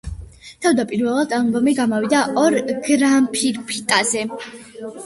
თავდაპირველად ალბომი გამოვიდა ორ გრამფირფიტაზე.